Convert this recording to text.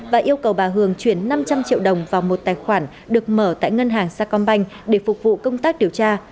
và yêu cầu bà hường chuyển năm trăm linh triệu đồng vào một tài khoản được mở tại ngân hàng sacombank để phục vụ công tác điều tra